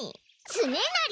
つねなり！